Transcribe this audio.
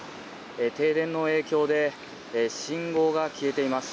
停電の影響で信号が消えています。